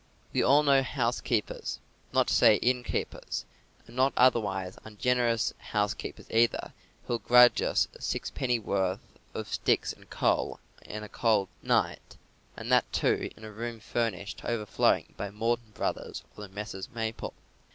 We all know housekeepers, not to say innkeepers, and not otherwise ungenerous housekeepers either who will grudge us a sixpennyworth of sticks and coals in a cold night, and that, too, in a room furnished to overflowing by Morton Brothers or the Messrs. Maple.